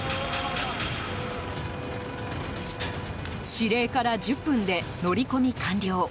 指令から１０分で乗り込み完了。